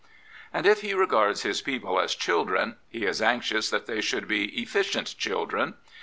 *' And if he regards his people as children, he is anxious that they should be efficient children.